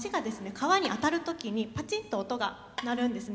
皮に当たる時にパチンと音が鳴るんですね。